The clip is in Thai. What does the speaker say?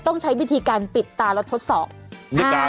ต้องใช้วิธีการปิดตาและทดสอบ